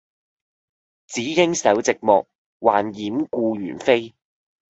只應守寂寞，還掩故園扉。